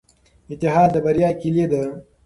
اتحاد د بریا کیلي ده.